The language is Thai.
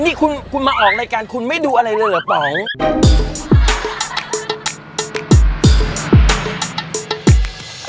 นี่คุณมาออกรายการคุณไม่ดูอะไรอย่างเดียวเหรอป่อม